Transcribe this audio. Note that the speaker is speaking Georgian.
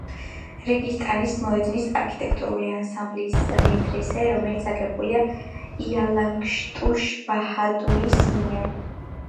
რეგისტანის მოედნის არქიტექტურული ანსამბლის მედრესე, რომელიც აგებულია იალანგტუშ ბაჰადურის მიერ.